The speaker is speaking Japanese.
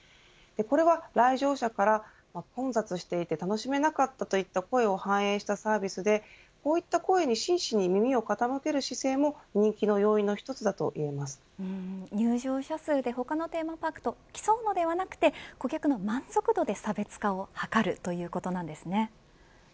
これは、来場者から混雑していて楽しめなかったといった声を反映したサービスでこういった声に真摯に耳を傾ける姿勢も入場者数で他のテーマパークと競うのではなくて顧客の満足度で差別化を図るということなんですね。